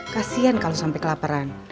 kasian kalau sampe kelaparan